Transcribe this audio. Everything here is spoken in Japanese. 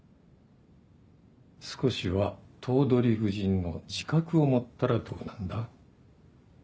少しは頭取夫人の自覚を持ったらどうなんだ？